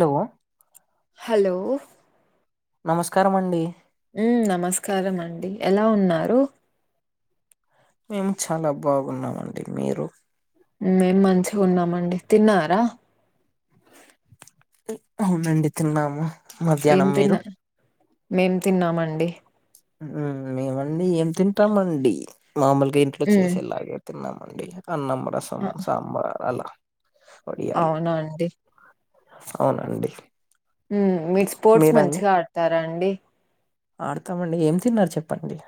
Hello hello నమస్కారమండి మ్మ్ నమస్కామండి ఎలా ఉన్నారు మేము చాలా బాగున్నామండి మీరు మేం మంచిగున్నామండి తిన్నారా అవునండి తిన్నాము ఏం మధ్యానం మీరు తిన్నా మేం తిన్నామండి మేమండి ఏం తింటామండి మామూలుగా ఇంట్లో మ్మ్ చేసేలాగే తిన్నామండి అన్నం రసం సాంబార్ అలా వడియాలు అవునండి అవునండి మ్మ్ మీరు స్పోర్ట్స్ మంచిగా ఆడతారా అండి ఆడుతామండి ఏం తిన్నారు చెప్పండి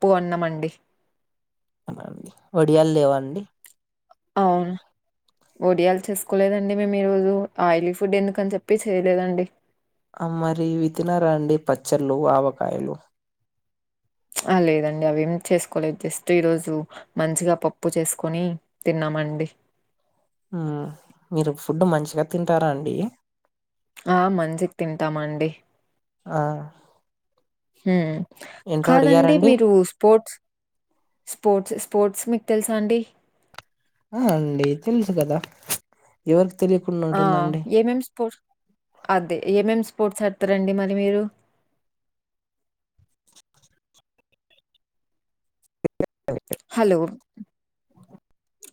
ప్పు అన్నమండి అవుండి వడియాలు లేవా అండి అవును ఒడియాలు చేసుకోలేదండి మేము ఈరోజు ఆయిలీ ఫుడ్ ఎందుకుని చెప్పి చేయలేదండి మరి ఇవి త్తినరాండి పచ్చళ్ళు ఆవకాయలు ఆ లేదండి అవి ఏం చేసుకోలేదు జస్ట్ ఈ రోజు మంచిగా పప్పు చేసుకొని తిన్నా మండి మీరు ఫుడ్ మంచిగా తింటారా అండి ఆ మంచిగా తింటామండి ఆ హ ఏంటో కాదండి అడిగారండి మీరు స్పోర్ట్స్ స్పోర్ట్స్ స్పోర్ట్స్ మీకు తెలుసా అండి ఆ అండి తెలుసు కదా తెలియకుండా ఆ ఉంటుందండి ఏమం స్పో అదే ఏమం స్పోర్ట్స్ ఆడుతరండి మరి మీరు హలో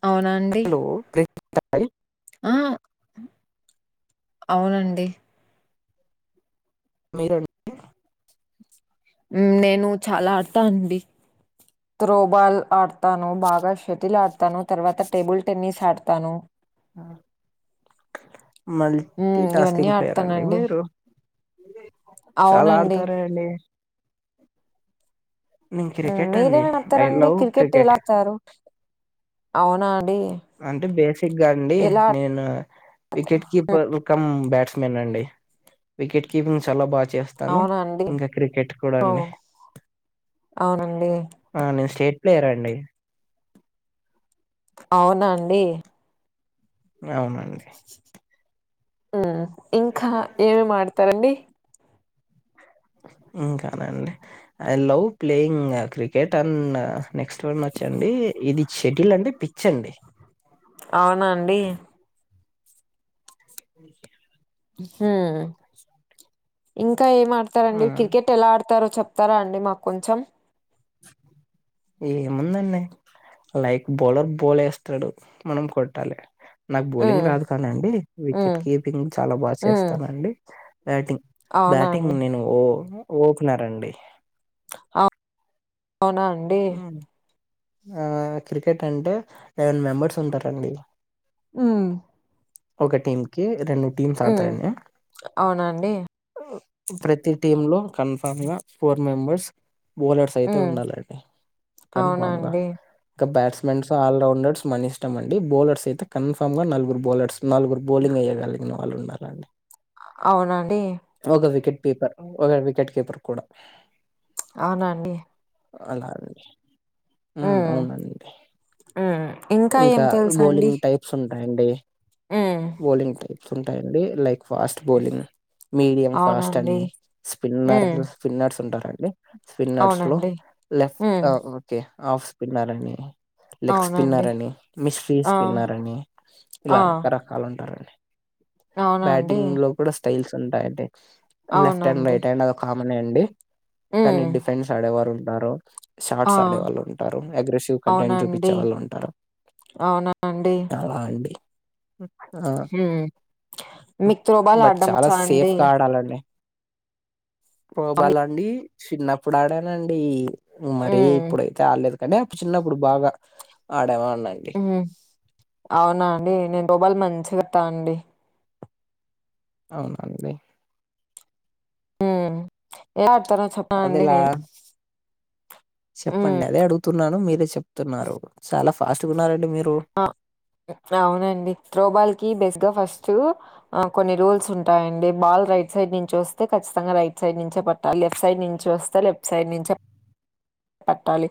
అవునా అండి చెప్పండి ఆ అవునండి మీరండి నేను చాలా ఆడతానండి త్రోబాల్ ఆడతాను బాగా షటిల్ ఆడతాను తర్వాత టేబుల్ టెన్నిస్ ఆడతాను మల్టీ హ్మ్. ఇవన్నీ టాస్కింగ్ ప్లేయర్ అండి ఆడతానండి. మీరు చాలా అవునండి. ఆడతారే అండి నేను క్రికెట్ అండి మీరేం ఐ ఆడతారండి లవ్ క్రికెట్ ఎలా ఆడతారు అవునా అండి? అంటే బేసిక్గా అండి ఎలా ఆడ్ నేను wicket keeper cum bat men అండి వికెట్ కపింగ్ చాలా బాగా చేస్తాను అవునా అండి? ఇంకా క్రికెట్ కూడా అండి ఓహ్! అవునండి ఆ, నేను స్టేట్ ప్లేయర్ అండి అవునా అండి అవునండి ఉ ఇంకా ఏమిమాతారండి ఇంకానండి I love playing cricket and next వ చ్చండి ఇది షటిల్ అంటే పిచ్చి అండి అవునాండి అ హ్మ్ ఇంకా ఏం ఆడతారండి ఆ, క్రికెట్ ఎలా ఆడుత తారో చెప్తారా అండి మాకు కొంచెం ఏముందండి లైక్ బౌలర్ బోల్ వేస్తాడు మనం కొట్టాలి నాకు బౌలింగ్ హ్మ్ రాదు కానండి హ్మ్ వికెట్ కీపింగ్ చాలా బాగా హ్మ్ చేస్తానండి బ్యాటింగ్ అవునా బ్యాటింగ్ అండి నేను ఓ ఓపెనర్ అండి అ అవునా అండి ఉమ్, ఆ క్రికెట్ అంటే లేవన్ మెంబర్స్ ఉంటారండి హ్మ్ ఒక టీమ్ కి రెండు టీమ్స్ హ్మ్ ఆడతారండి అవునా అండి ప్రతి టీమ్ లో కన్ఫామ్ గా ఫోర్ మెంబర్స్ బౌలర్స్ అయితే హ్మ్ ఉండాలండి అవునా కన్ఫామ్‌గా అండి ఇంకా బ్యాట్స్‌ మెన్స్ ఆల్రౌండర్స్ మన ఇష్టం అండి బౌలర్స్ అయితే కన్ఫామ్‌గా నలుగురు బౌలర్స్ నలుగురు బౌలింగ్ ఏయ్యగలిగిన వాళ్లు ఉండాలండి అవునండి పీపర్ ఒక వికెట్ కీపర్ కూడా అవున అండి అలాడిర్ ఆ అవునండి హ్మ్ ఏం ఇంకా తెలుసండి బౌలింగ్ టైప్స్ ఉంటాయి ఉంటాయండి హ్మ్ బౌలింగ్ టైప్స్ ఉంటాయండి, like fast bowling medium fast అవునండి అని స్పిన్నర్ హ్మ్ స్పిన్నర్స్ ఉంటారండి స్పిన్నర్స్ లో అవునండి లెఫ్ట్ హ్మ్ ఆ ఓకే ఆఫ్ స్పిన్నర్ అండి లెక్స్ అవునండి పిన్నారని మిస్ ఫీస్ ఆ పిన్నారనీ ఆ ఇలా రకరకాలుగా ఉంటాయండి అవునండి బ్యాటింగ్‌లో కూడా స్టైల్స్ ఉంటయి. అయితే లెఫ్ట్ హ్యాండ్, అవునండి రైట్ హ్యాండ్, అది ఒక ఆర్మ్. మానేయండి కానీ హ్మ్ డిఫెన్స్ ఆడేవాళ్లు ఉంటరు ఆ షాట్స్ ఆడేవాళ్లు ఉంటరు అగ్రెసివ్ కంటెంట్ అవునండి చూపించేవాళ్లు ఉం అవునా అండి ఎండకి ఉమ్ ఆ హ్మ్ మీకు త్రోబాల్ బట్ ఆడడం చాలా వచ్చా అండి సేఫ్‌గా ఆడాలండి ప్రో అవును. బాల్‌లా అండి చిన్నప్పుడు ఆడానండి మరి హ్మ్ ఇప్పుడు అయితే ఆడలేదు కన్నెప్ చిన్నప్పుడు బాగా ఆడేవాడ్ హ్మ్మ్ అవునా అండి నేను త్రో బాల్ మంచిగా ఆడ్తా అండి అవునా అండి హ్మ్మ్ ఎట్లా ఆడ్తానో చెప్పండి అదిలా నేను హ్మ్ చెప్పండి అదే అడుగుతున్నాను మేరే చెప్తున్నారు చాలా ఫాస్ట్‌గా ఉన్నారు అండి మీరు ఆ హ్మ్ అవునండి త్రో బాల్‌కి బెస్ట్‌గా ఫస్టూ ఆ, కొన్ని రూల్స్ ఉంటయి అండి. బాల్ రైట్ సైడ్ నుంచి వస్తే కచ్చితంగా రైట్ సైడ్ నుంచే పట్టాలే, లెఫ్ట్ సైడ్. నుంచి వస్తే లెఫ్ట్ సైడ్ నుంచే పట్టాలి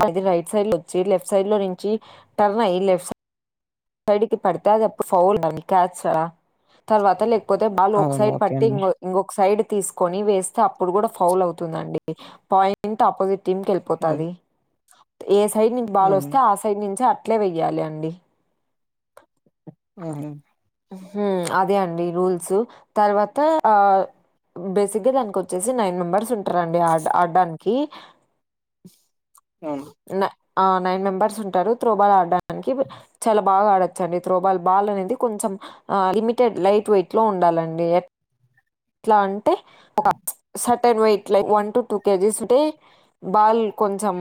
అంటే [unintelligible] రైట్ సైడ్‌లో వచ్చి లెఫ్ట్ సైడ్‌లో నుంచి టర్న్ అయ్యే లెఫ్ట్ సైడ్ సైడ్‌కి పడితే అది అప్పుడు ఫౌల్ దానికి క్యాచ్ ఆ తర్వాత లేకపోతే బాల్ అవును ఒకసైడ్ ఓకే పట్టి అండి ఇంగొ ఇంగోక సైడ్ తీస్కొని వేస్తా అప్ అప్పుడు గుడా ఫౌల్ అవుతదండి, పాయింట్ ఆపోజిట్ టీమ్‌కి ఉమ్ ఎల్పోతది ఏ సైడ్ నుంచి బాల్ ఉమ్ వస్తే ఆ సైడ్ నుంచే అట్లే బాల్ వేయాలండి ఆహనా హ్మ్మ్ అదే అండి రూల్సు తర్వాత ఆ బేసిక్‌గా దానకి వచ్చేసి నైన్ మెంబర్స్ ఉంటారు అండి ఆడ ఆడడానికి ఆవును న ఆ నైన్ మెంబర్స్ ఉంటారు త్రో బాల్ ఆడడానికి చాలా బాగా ఆడొచ్చు అండి, త్రో బాల్ బాల్ అనేది కొంచెం ఆ లిమిటెడ్ లైట్ వెయిట్‌లో ఉండాలండి యేట ఇట్లా అంటే చట్ and weight like one to two kgs ఉంటే బాల్ కొంచెం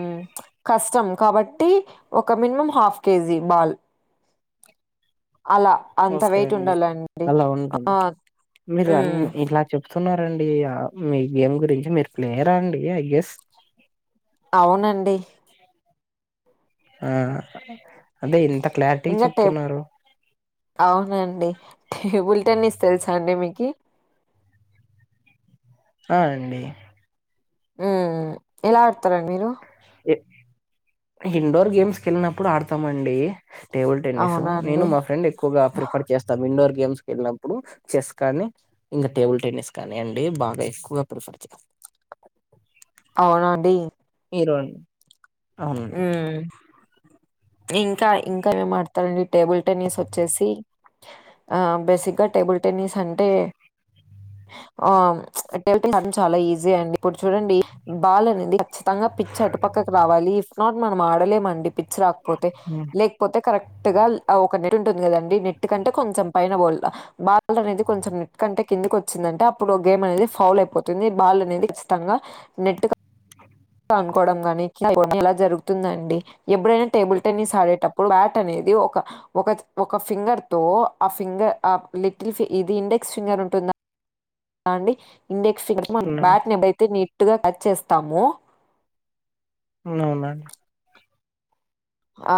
కష్టం కాబట్టి టి ఒక మినిమం హాఫ్ కేజీ బాల్ అలా అంత ఓకే వెయిట్ అండి ఉండాలండి అలా ఆ ఉంటుంది ఉమ్మ్ సున్నారండి ఆ మీ గేమ్ గురించి మీరు ప్లేయరా అండి ఐ ఎస్ అవునండి ఆహా అదే ఇంత క్లారిటీ ఇంకా టే చెపుతున్నారు అవునండి టేబుల్ టెన్నిస్ తెలుసా అండి మీకి ఆ అండి హ్మ్ ఎలా ఆడతార మీరు ఇండోర్ గేమ్స్కి ఎళ్ళినప్పుడు ఆడతామండి టేబుల్ టెన్నిసు అవునా నేను అండి మా ఫ్రెండ్ ఎక్కువగా ప్రిఫర్ చేస్తాం ఇండోర్ గేమ్స్ ఎళ్ళినప్పుడు చెస్ కానీ ఇంకా టేబుల్ టెన్నిస్ కానీ అండి బాగా ఎక్కువగా ప్రిఫర్ చే అవునాండి ఈరోన్ హ్మ్ ఇంకా ఇంకా ఏం ఆడతారండి టేబుల్ టెన్నిస్ వచ్చేసి ఆ బేసిక్గా టేబుల్ టెన్నిస్ అంటే ఆ అటేం చాలా ఈజీ అండి ఇప్పుడు చూడండి బాల్ అనేది ఖచ్చితంగా పిచ్ అటు పక్కకు రావాలి ఇఫ్ నాట్ మనం ఆడలేమండి పిచ్ చ్ రాకపోతే హ్మ్. లేకపోతే కరె క్ట్గ ఒక నెట్ ఉంటుంది కదండి నెట్ కంటే కొంచెం పైన బ బాల్ అనేది కొంచెం నెట్ కంటే కింది వచ్చిందంటే అప్పుడు గేమ్ అనేది ఫౌల్ అయిపోతుంది బాల్ అనేది చ్చితంగా నెట్గా అనుకోవడం గాని ఇలా జరుగుతుందండి ఎప్పుడైనా టేబుల్ టెన్నిస్ ఆడేటప్పుడు బ్యాట్ అనేది ఒక ఒక ఒక ఫింగర్తో ఆ ఫింగర్ ఆ లిటిల్ ఇది ఇండెక్స్ ఫింగర్ ఉంటుందా అండి ఇండెక్స్ ఫిగర్ అవునండి బ్యాట్ని అదైతే నీ ట్గ టచ్ చేస్తామో అవునా అండి ఆ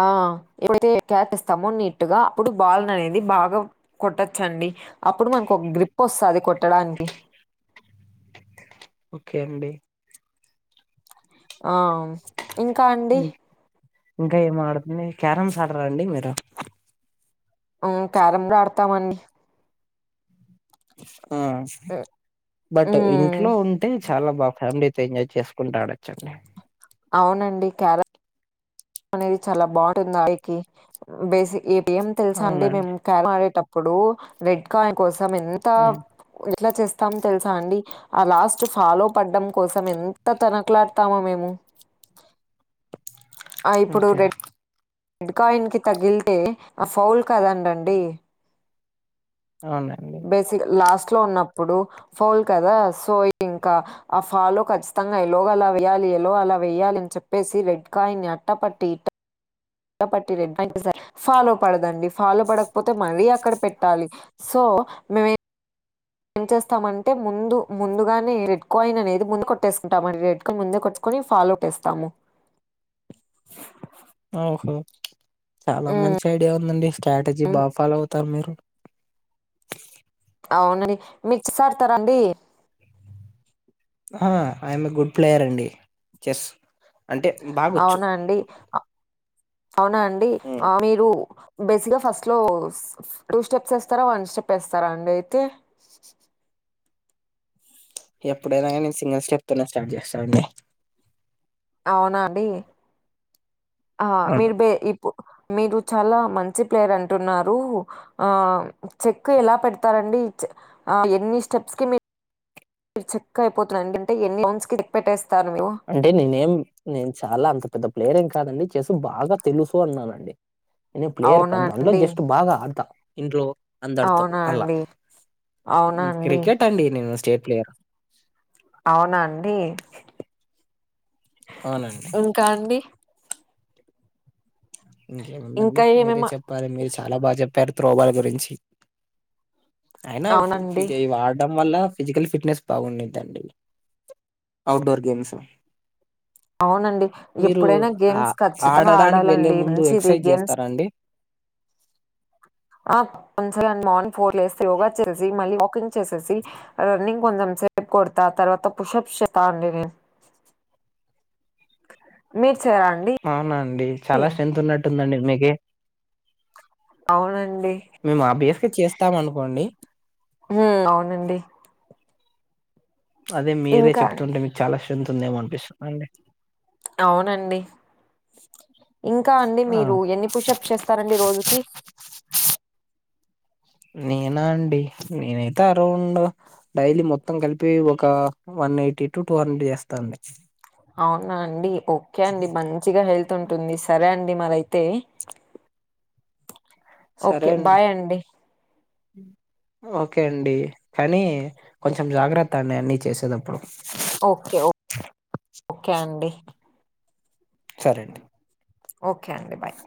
ఎప్పుడైతే క్యాట్ ఇస్తామో నీట్గా అప్పుడు బాల్ అనేది బాగా కొట్టొచ్చండి అప్పుడు మనకు ఒక గ్రిప్ వస్తది కొట్టడానికి ఓకే అండి ఆ ఇంకా అండి హ్మ్. ఇంకా ఏం ఆడతుంది క్యారమ్స్ ఆడరాండి మీరు మ్ క్యారమ్స్ ఆడతామండి ఆ బట్ మ్మ్ ఇంట్లో ఉంటే చాలా బా ఫ్యామిలీ ఎంజాయ్ చేసుకుంటా ఆడచండి అవునండి క్యారమ్ అనేది చాలా బావుంటుంది ఆడ్నికి బేసి ఏం తెలుసా అండి అవునండి మేము క్యారయ్ ఆడేటప్పు ప్పుడు రెడ్ కాయన్ కోసం ఎంత ఉమ్ ఎట్లా చేస్తాం తెలుసా అండి ఆ లాస్ట్ ఫాలో పడ్డం కోసం ఎంత తనకలాడ్తమో మేము ఆ ఇప్పుడు ఓకే రెడ్ రెడ్కాయిన్కి తగిలితే ఆ ఫౌల్ కదండండి అవునండి బేసిక్ లాస్ట్ ట్లో ఉన్నప్పుడు ఫౌల్ కదా సో ఇంకా ఆ ఫాలో ఖచ్చితంగా ఎలోగా అలా వేయాలి ఎలో అలా వెయాలి అని చెప్పేసి రెడ్ కాయన్ని అట్టపట్టి ఇట్ట పట్టి ఫాలో పడదండి ఫాలో పడకపోతే మళ్ళీ అక్కడ పెట్టాలి సో మే ఏం చేస్తామంటే ముందు ముందుగానే రెడ్ కోయిన్ అనేది ముందు కొట్టేసుకుంటాం రెడ్కి ముందే కొట్టు ఫాలో టేస్తాము ఓహో చాలా మంచి ఐడియా ఉందండి స్ట్రాటజీ ఉమ్, బా ఫాలో అవుతారు మీరు అవునండి మీరు చెస్ అడుతరాండి ఆ ఐమ్ ఎ గుడ్ ప్లేయర్ అండి చెస్ అంటే బాగొచ్చు అవునా అండి అ అవునా అండి ఉమ్ ఆ మీరు బేసిక్ గా ఫస్ట్ లో టూ స్టెప్స్ వేస్తారా వన్ స్టెప్ వేస్తారా అండి అయితే ఎప్పుడైనా కానీ నేను సింగిల్ స్టెప్ తోనే స్టార్ట్ చేస్తానండి అవునా అండి ఆ మీరు అవునండి బే ఇప్పుడు మీరు చాలా మంచి ప్లేయర్ అంటున్నారు ఆ చెక్ ఎలా పెడతారండి ఎన్ని స్టెప్స్ కి మీరు చెక్ అయిపోతున్నారంటే ఎన్ని చాన్స్ కి చెక్ పెట్టే అంటే నేనేం నేను చాలా అంత పెద్ద ప్లేయర్ ఏం కాదండి చెస్ బాగా తెలుసు అన్నానండి నేను ప్లేయర్ అవునా కాదు అందులో అండి? జస్ట్ బాగా ఆడుతా ఇంట్లో అందరితో అవునా అలా అండి? క్రికెట్ అండి నేను స్టేట్ ప్లేయర్ అవునా అండి అవునండి ఇంకా అండి ఇంకేముందండి ఇంకా మీరే ఏమేమి చెప్పాలి మీరు చాలా బాగా చెప్పారు త్రోబాల్ గురించి అయినా అవునండి. ఇగ ఇవి ఆడడం మళ్ళ ఫిజికల్ ఫిట్నెస్ బాగుండిద్దండి అవుట్డోర్ గేమ్స్ అవునండి మీరు ఎప్పుడైనా ఆ గేమ్స్ ఖచ్చితంగా ఆడడానికి ఆడాలి వెళ్లే అవునండి ముందు మంచిది ఎక్సర్సైజ్ గేమ్స్ చేస్తారా అండి [inaudible] ఫోర్ లెగిస్తే యోగా చేసేసి మళ్ళీ వాకింగ్ చేసేసి రన్నింగ్ కొంచెం సేపు కొడతా తర్వాత పుషప్స్ చేస్తా అండి నేను మీరు చేయరా అండి? అవునా అని చాలా స్ట్రెంత్ ఉన్నట్టుందండి మీకే అవునండి. మేము అబ్వియస్గా చేస్తాం అనుకోండి ఉమ్ అవునండి అదే మీరే ఇంకా చెప్తుంటే మీకు చాలా స్త్రెంత్ ఉందేమో అనిపిస్తుంది అండి అవునండి ఇంకా అండి ఆ మీరు ఎన్ని పుషప్స్ చేస్తారండి రోజుకి నేనా అండి నేనైతే అరౌండ్ డైలీ మొత్తం కలిపి ఒక one eighty to two hundred చేస్తా అండి అవునా అండి ఓకే అండి మంచిగ హెల్త్ ఉంటుంది సరే అండి మరయితే ఓకే బాయ్ అండి ఓకే అండి కానీ కొంచెం జాగ్రత్త అండి అన్ని చేసేదప్పుడు ఓకే ఓ ఓకే అండి సరే అండి ఓకే అండి బాయ్